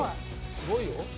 すごいよ。